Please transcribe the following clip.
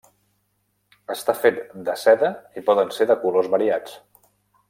Està fet de seda i poden ser de colors variats.